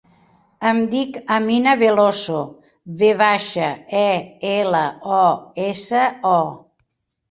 Em dic Amina Veloso: ve baixa, e, ela, o, essa, o.